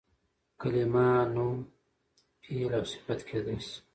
کلیمه نوم، فعل او صفت کېدای سي.